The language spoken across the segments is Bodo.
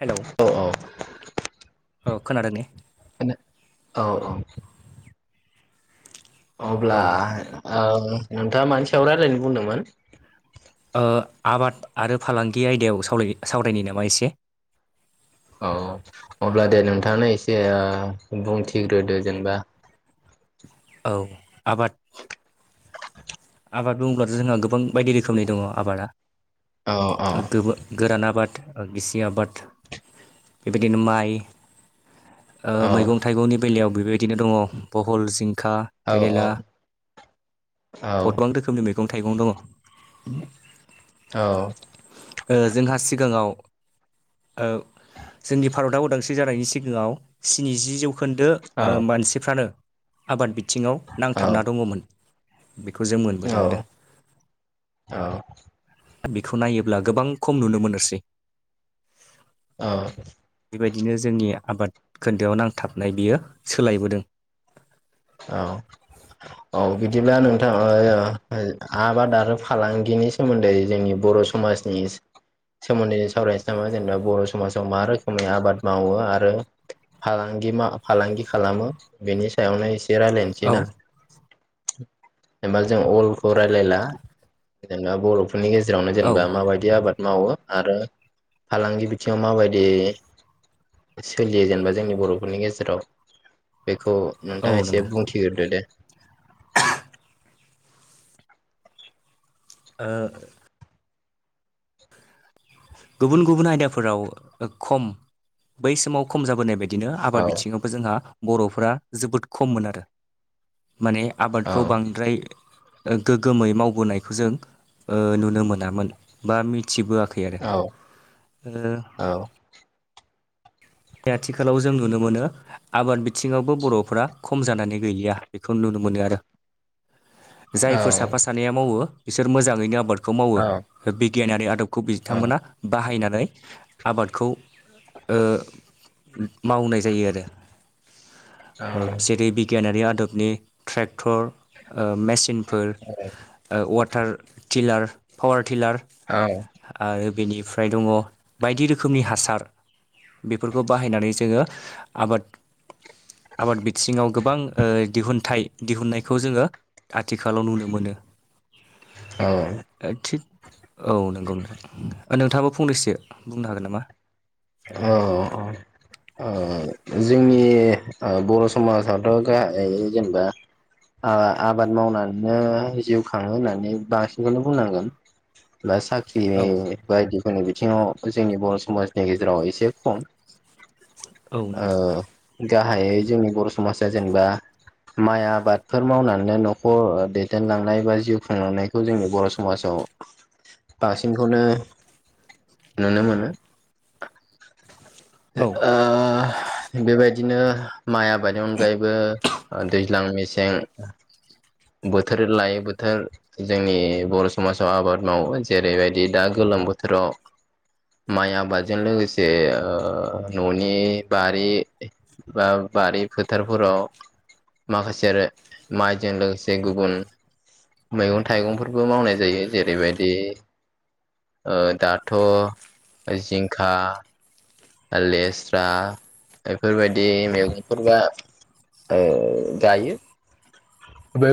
हेलौ औ ओ खोनादों ने? औ औ। अब्ला औ ओ नों नोंथाङा मानि सायाव रायलायनो बुंदोंमोन? ओ आबाद आरो फालांगि आयदायाव सावरायनि सावरायनि नामा एसे। औ अब्ला दे नोंथाङानो एसे ओ बुंथिग्रोदो जेनेबा औ आबाद आबाद बुंब्लाथ जोंहा गोबां बायदि रोखोमनि दङ आबादा औ औ ओ गो गोरान आबाद ओ गिसि आबाद बेबायदिनो माइ ओ औ मैगं थाइगंनि बेलायाव बेबायदिनो दङ बहल जिंखा औ औ। औ बरथमान रोखोमनि मैगं थाइगं दङ। औ। ओ जोंहा सिगाङाव ओ जोंनि भारतआ उदांस्रि जानायनि सिगाङाव स्निजि जौ खोन्दो ओ मानसिफ्रानो आबाद बिथिङाव नांथाबना दङमोन। बेखौ जों मोनबोदों आरो। औ। दा बेखौ नायोब्ला गोबां खम नुनो मोनोसै। औ बेबायदिनो जोंनि आबाद खोन्दोआव नांथाबनाय बियो सोलायबोदों औ औ बिदिब्ला नोंथां ओ आबाद आरो फालांगिनि सोमोन्दै जोंनि बर' समाजनि सोमोन्दैनो सावरायसै नामा जेनेबा बर' समाजाव मा रोखोमै आबाद मावो आरो फालांगि मा फालांगि खालामो बेनि सायावनो एसे रायलायनोसै औ ना? जेनबा जों अलखौ रायलायला जेनेबा बर' फोरनि गेजेरावनो औ जेनेबा माबायदि आबाद मावो आरो फालांगि बिथिङाव माबायदि सोलियो जेनेबा जोंनि बर'फोरनि गेजेराव बेखौ औ नोंथाङा एसे नंगौ बुंथिग्रोदो दे। ओ गुबुन गुबुन आयदाफोराव खम बै समाव खम जाबोनाय बायदिनो औ आबाद बिथिङाव जोंहा बर'फ्रा जोबोद खममोन आरो माने औ आबादखौ बांद्राय गोग्गोमै मावबोनायखौ जों ओ नुनो मोनामोन बा मिथिबोआखै आरो। औ। ओ औ बे आथिखालाव जों नुनो मोनो आबाद बिथिङावबो बर'फोरा खम जानानै गैलिया बेखौ नुनो मोनो आरो। जायफोर औ साफा सानैया मावो बिसोर मोजाङैनो आबादखौ मावो औ बिगियानारि आदब। खौ बिथांमोना बाहायनानै आबादखौ ओ- मावनाय जायो आरो जेरै - बिगियानारि आदबनि ट्रेक्टर ओ-मेसिनफोर ओ-वाटार टिलार पावार टिलार। औ आरो बेनिफ्राय दङ बायदि रोखोमनि हासार। बेफोरखौ बाहायनानै जोङो आबाद आबाद बिथिङाव गोबां ओ-दिहुनथाइ। दिहुननायखौ जोङो आथिखालाव नुनो मोनो। औ थिग औ नंगौ। ओ-नोंथाङाबो फंनैसो बुंनो हागोन नामा? अ औ जोंनि ओ-बर' समाजाथ' गाहायै जेनेबा आबाद मावनानैनो जिउ खाङो होननानै बांसिनखौनो बुंनांगोन। बा साख्रि औ बायदिफोरनि बिथिङाव जोंनि बर' समाजनि गेज गेजेराव एसे खम औ नंगौ ओ- गाहायै जोंनि बर' समाजा जेनबा माइ आबादफोर मावनानैनो न'खर ओ-दैदेनलांनाय बा जिउ खुंलांनाय खौ जोंनि बर' समाजाव बांसिनखौनो नुनो मोनो। औ ओ-बेबायदिनो माइ आबादनि अनगायैबो ओ-दैज्लां मेसें। बोथोर लायै बोथोर। जोंनि बर' समाजाव आबाद मावो जेरैबायदि दा गोलोम बोथोराव। माइ आबादजों लोगोसे ओ-न'नि बारि बा बारि फोथारफोराव माखासे आरो माइजों लोगोसे जे गुबुन मैगं थाइगंफोरबो मावनाय जायो जेरैबायदि ओ-दाथ' ओ-जिंखा लेस्रा बेफोरबायदि मैगंफोर बा ओ-गायो। बे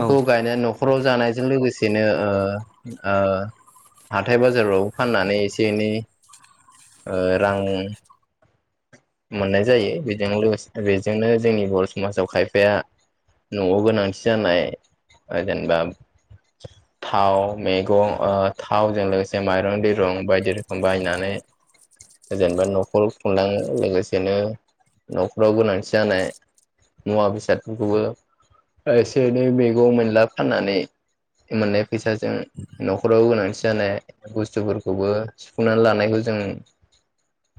औ गायनानै न'खराव जानायजों लोगोसेनो ओ-ओ- हाथाय बाजारफ्रावबो फाननानै एसे एनै ओ-रां। मोननाय जायो बेजों लोगोसे बेजोंनो जोंनि बर' समाजाव खायफाया न'आव गोनांथि जानाय ओ-जेनेबा थाव मैगं ओ-थावजों लोगोसे माइरं दैरं बायदि रोखोम बायनानै जेनेबा न'खर खुंलां-लोगोसेनो न'खराव गोनांथि जानाय। मुवा बेसादफोरखौबो एसे एनै मैगं मोनला फाननानै मोननाय फैसाजों। न'खराव गोनांथि जानाय बुस्थुफोरखौबो सुफुंनानै लानायखौ जों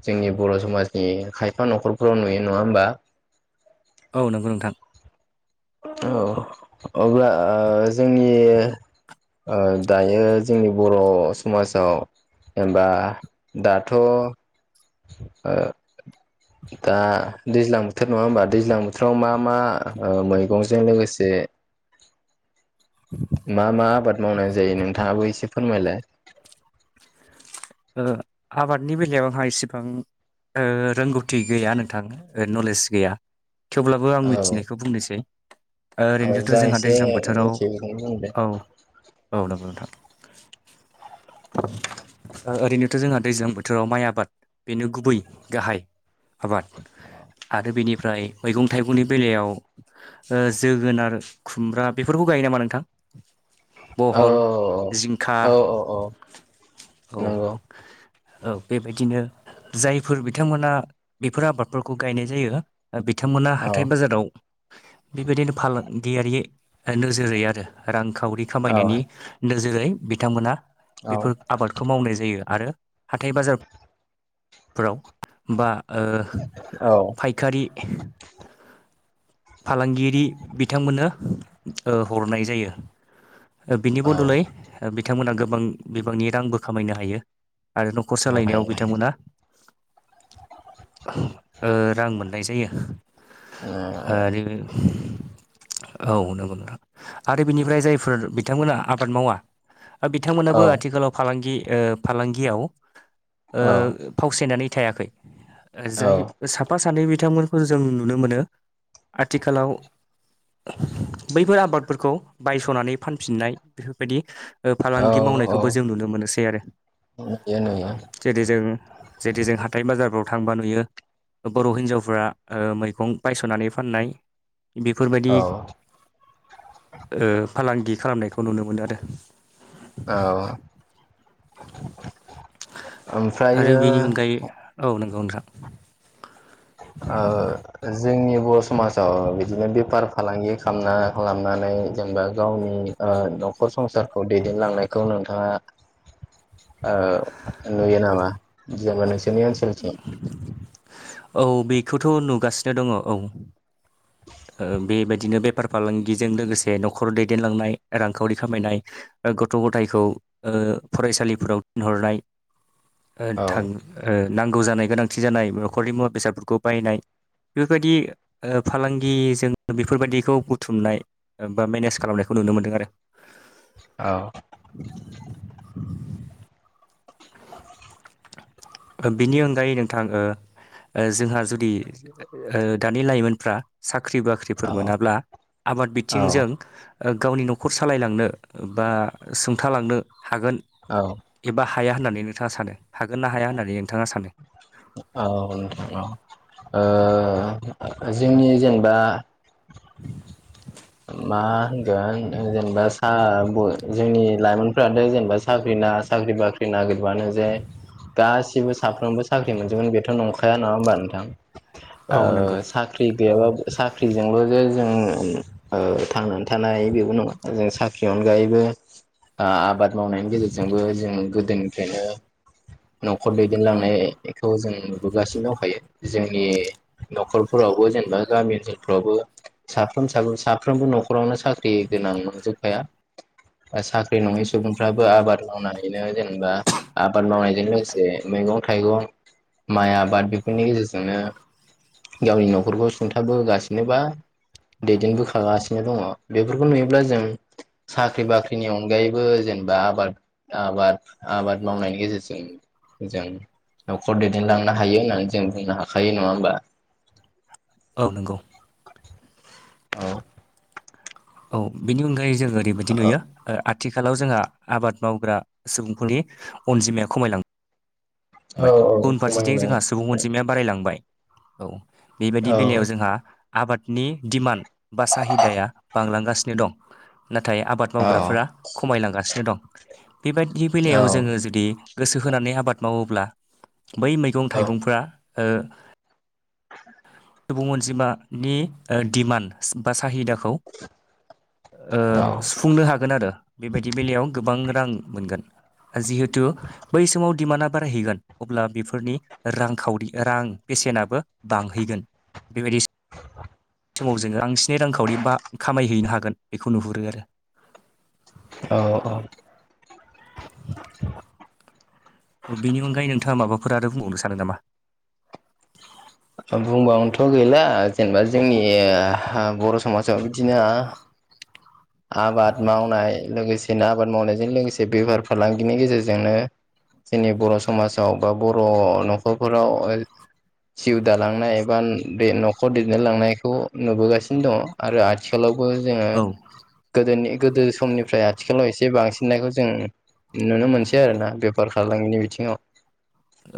जोंनि बर' समाजनि खायफा न'खरफोराव नुयो नङा होमबा? औ नंगौ नोंथां। औ अब्ला ओ-जोंनि दायो जोंनि बर' समाजाव। ओमबा दाथ' ओ- दा दैज्लां बोथोर नङा होमबा दैज्लां बोथोराव मा मा ओ-मैं गंजों लोगोसे मा मा आबाद मावनाय जायो नोंथाङाबो एसे फोरमायलाय। आबादनि बेलायाव आंहा इसिबां ओ रोंगौथि गैया नोंथां नलेज गैया थेवब्लाबो आं औ मिथिनायखौ बुंनोसै औ ओरैनोथ' जा जोंहा एसे दैज्लां बोथोराव मिथियो बेखौनो बुंदो औ औ नंगौ नोंथां ओरैनोथ' जोंहा दैजां बोथोराव माइ आबाद बेनो गुबै गाहाय आबाद आरो बेनिफ्राय मैगं थाइगंनि बेलायाव जोगोनार खुमब्रा बेफोरखौ गायो नामा नोंथां बहल जिंखा अ अ औ औ बेबायदिनो जायफोर बिथांमोना बेफोर आबादफोरखौ गायनाय जायो बिथांमोना औ हाथाय बाजाराव बेबायदिनो फालांगियारि नोजोरै आरो रांखावरि औ खामायनायनि नोजोरै बिथांमोना औ बेफोर आबाद मावनाय जायो आरो हाइय बाजारफोराव बा औ फायखारि फालांगिरि बिथांमोननो हरनाय जायो बिनि औ बदलै बिथांमोना गोबां बिबांनि रांबो खामायनो हायो आरो न'खर सालायनायाव हायो हायो बिथांमोना ओ रां मोननाय जायो आरो औ नंगौ नोंथां आरो बिनिफ्राय जायफोर बिथांमोना आबाद मावा औ बिथांमोनाबो आथिखालाव फालांगि फालांगियाव औ फावसायनानै थायाखै जाय साफा सानै बिथांमोनखौ जों नुनो मोनो आथिखालाव बैफोर आबादफोरखौ बायस'नानै फानफिननाय बेफोरबायदि औ फालांगि औ मावनायखौबो जों नुनो मोनोसै आरो नुयो नुयो जेरै जों जेरै जों हाथाय बाजारफ्राव थांबा नुयो बर' हिनजावफ्रा मैगं बायस'नानै फाननाय बेफोरबायदि औ ओ फालांगि खालामनायखौ नुनो मोनो आरो औ आरो ओमफ्रायो बेनि अनगायै औ नंगौ नोंथां आ [inaudible] जोंनि बर' समाजाव बिदिनो बेफार फालांगि खालामना खालामनानै जेनेबा गावनि न'खर संसारखौ दैदेनलांनायखौ नोंथाङा ओ नुयो नामा जोङो नोंसोरनि ओनसोलथें औ बेखौथ' नुगासिनो दङ औ [unintelligible] बेबायदिनो बेफार फालांगिजों लोगोसे न'खर दैदेनलांनाय रांखावरि खामायनाय गथ' गथायखौ फरायसालिफोराव थिनहरनाय औ थां ओ नांगौ जानाय गोनांथि जानाय न'खरनि मुवा बेसादफोरखौ बायनाय बेफोरबायदि फालांगिजों बेफोरबायदिखौ बुथुमनाय बा मेनेज खालामनायखौ नुनो मोनदों आरो औ बिनि अनगायै नोंथां जोंहा जुदि दानि लाइमोनफ्रा साख्रि बाख्रि साख्रिफोर औ मोनाब्ला आबाद औ बिथिंजों गावनि न'खर सालायलांनो बा सुंथालांनो हागोन औ एबा हाया होननानै नोंथाङा सानो हागोन ना हाया होननानै नोंथाङा सानो औ नोंथां औ ओ जोंनि जेनेबा मा होनगोन जेनेबा सार जोंनि लाइमोनफोरथ' जेनेबा साख्रि ना साख्रि बाख्रि नागिरबानो जे गासिबो साफ्रोमबो साख्रि मोनजोबगोन बेथ' न खाया नङा होमबा नोंथां औ नंगौ। ओ सा ख्रि गैयाब्ला साख्रिजोंल' जे जों ओ थांनानै थानायानो बेबो नङा जों साख्रिनि अनगायैबो ओ आबाद मावनायनि गेजेरजोंबो जों गोदोनिफ्रायनो न'खर दैदेनलांनायखौ जों नुबोगासिनो दंखायो जोंनि न'खरफोरावबो जेनेबा गामि ओनसोलफोरावबो साफ्रोम साफोन साफ्रोमबो न'खरावनो साख्रि गोनां नंजोबखाया। ओ साख्रि नङि सुबुंफ्राबो आबाद मावनानैनो जेनेबा आबाद मावनायजों लोगोसे मैगं-थाइगं माइ आबाद बेफोरनि गेजेरजोंनो गावनि न'खरखौ सुंथाबोगासिनोबा दैदेनबोगा थागासिनो दङ बेफोरखौ नुयोब्ला जों साख्रि बाख्रिनि अनगायैबो जेनेबा आबाद आबाद आबाद मावनायनि गेजेरजों जों न'खर दैदेनलांनो हायो होननानै जों बुंनो हाखायो नङा होमबा। औ नंगौ औ औ बेनि अनगायै जों ओरैबायदि नुयो ओ आथिखालाव जोंहा आबाद मावग्रा सुबुंफोरनि अनजिमाया खमायलां औ बाय औ उनफारसेथिं खमायबाय जोंहा सुबुं अनजिमाया बारायलांबाय औ बेबायाददि औ बेलायाव जोंहा आबादनि दिडिमान्ड बा साहिदाया बांलांगासिनो दं नाथाय आबाद औ मावग्राफोरा खमायलांगासिनो दं बेबायदिनि बेलायाव जोङो जुदि गोसो होनानै आबाद मावोब्ला बै औ मैगं-थाइगंफ्रा ओ [unintelligible] सुबुं अनजिमानि ओ डमान्ड बा साहिदाखौ ओ औ सुफुंनो हागोन आरो बेबायदि बेलायाव गोबां रां मोनगोन। जिहेतु बै समाव डिमान्डआ बारायहैगोन। अब्ला बेफोरनि रांखावरि रां बेसेनाबो बांहैगोन। बेबायदि समाव जोङो बांसिनै रांखावरि बा खामायहैनो हागोन बेखौ नुहुरो आरो औ औ ओ बेनि अनगायै नोंथाङा माबाफोर आरो बुंबावनो सानो नामा? बुंबावनोथ' गैला जेनेबा जोंनिहा बर' समाजाव बिदिनो आबाद मावनाय लोगोसेनो आबाद मावनायजों लोगोसे बेफार फालांगिनि गेजेरजोंनो जोंनि बर' समाजाव बा बर' न'खरफोराव जिउ दालांनाय एबा बे न'खर दैदेनलांनायखौ नुबोगासिनो दङ। आरो आथिखालावबो जोङो औ गोदोनि गोदो समनिफ्राय आथिखालाव एसे बांसिननायखौ जों नुनो मोनसै आरोना बेफार फालांगिनि बिथिङाव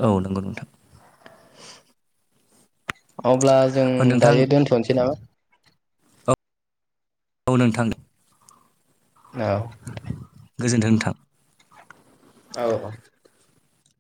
औ नंगौ नोंथां। अब्ला जों ओ नोंथां दायो दोन्थ'नोसै नामा? औ औ नोंथां दे औ गोजोनथों नोंथां औ औ